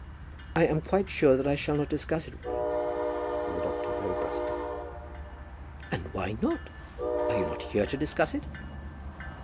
"I am quite sure that I shall not discuss it with you," said the doctor, very brusquely. "And why not? Are you not here to discuss it?"